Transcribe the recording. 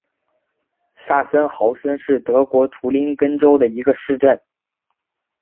萨森豪森是德国图林根州的一个市镇。